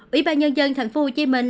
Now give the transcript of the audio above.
ủy ban nhân dân thành phố hồ chí minh